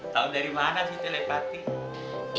tahu dari mana sih telepati